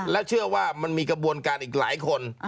และเชื่อว่ามันมีกระบวนการอีกหลายคน